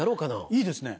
いいですね！